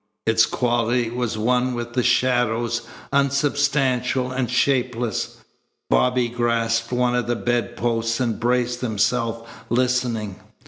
Its quality was one with the shadows, unsubstantial and shapeless. Bobby grasped one of the bed posts and braced himself, listening.